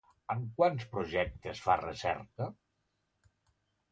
En quants projectes fa recerca?